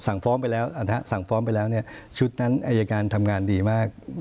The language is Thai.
สั่งฟ้องไปแล้วนะครับสั่งฟ้องไปแล้วเนี่ยชุดนั้นอายการทำงานดีมาก